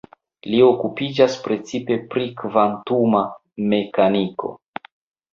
Li okupiĝas precipe pri kvantuma mekaniko.